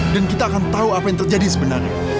dan kita akan tahu apa yang terjadi sebenarnya